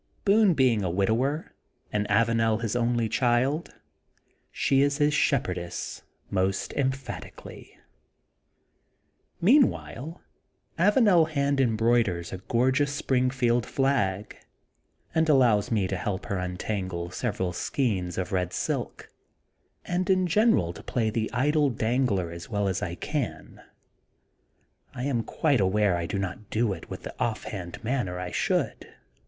Boone being a widower and Avanel his only child, she is his shepherdess most emphat ically. Meanwhile Avanel hand embroiders a gor 117 118 THE GOLDEN BOOK OF SPRINGFIELD geoQS Springfield Flag and allows me to help her untangle several skeins of red silk and in general to play the idle dangler as well as I can. I am quite aware I do not do it in the off hand manner I should.